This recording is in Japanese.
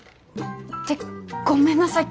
ってごめんなさい